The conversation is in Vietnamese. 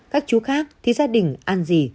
các chú khác thì gia đình ăn gì